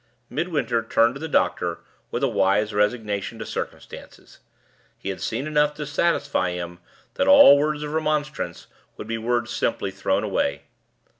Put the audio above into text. Midwinter turned to the doctor with a wise resignation to circumstances: he had seen enough to satisfy him that all words of remonstrance would be words simply thrown away.